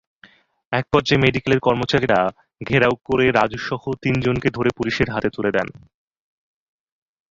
একপর্যায়ে মেডিকেলের কর্মচারীরা ঘেরাও করে রাজুসহ তিনজনকে ধরে পুলিশের হাতে তুলে দেন।